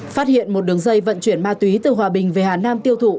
phát hiện một đường dây vận chuyển ma túy từ hòa bình về hà nam tiêu thụ